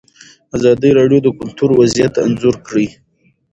ازادي راډیو د کلتور وضعیت انځور کړی.